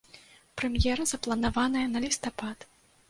Прэм'ера запланаваная на лістапад.